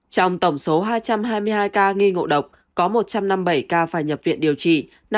trong tổng số hai trăm hai mươi hai ca nghi ngộ độc có một trăm năm mươi bảy ca phải nhập viện điều trị